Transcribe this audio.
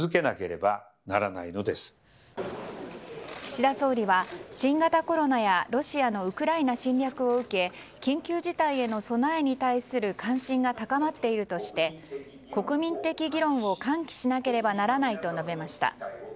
岸田総理は、新型コロナやロシアのウクライナ侵略を受け緊急事態への備えに対する関心が高まっているとして国民的議論を喚起しなければならないと述べました。